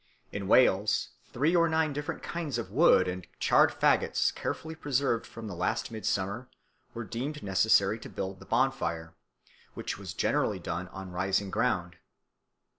In Wales three or nine different kinds of wood and charred faggots carefully preserved from the last midsummer were deemed necessary to build the bonfire, which was generally done on rising ground.